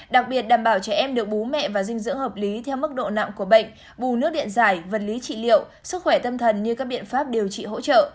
đặc biệt đảm bảo trẻ em được bố mẹ và dinh dưỡng hợp lý theo mức độ nặng của bệnh bù nước điện giải vật lý trị liệu sức khỏe tâm thần như các biện pháp điều trị hỗ trợ